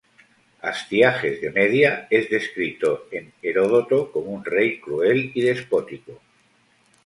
Astiages de Media es descrito en Heródoto como un rey cruel y despótico.